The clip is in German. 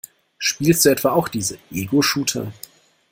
Spielst du etwa auch diese Egoshooter?